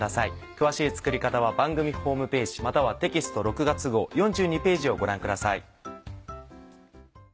詳しい作り方は番組ホームページまたはテキスト６月号４２ページをご覧ください。